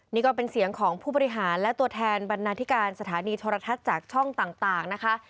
นี่ก็เป็นเสียงของผู้บริหารและตัวแทนบรรณาธิการสถานีโทรทัศน์จากช่องต่างนะคะ